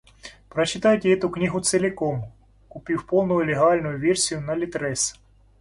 Прочитайте эту книгу целиком, купив полную легальную версию на ЛитРес.